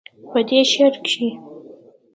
پۀ دې شعر کښې